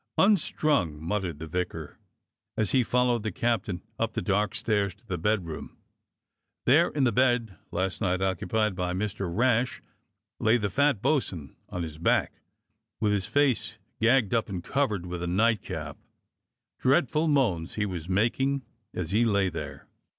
f^" "Unstrung," muttered the vicar, as he followed the captain up the dark stairs to the bedroom. There in the bed, last night occupied by Mr. Rash, lay the fat bo'sun on his back, with his face gagged up A TERRIBLE INVESTIGATION 137 and covered with a nightcap. Dreadful moans he was making as he lay there.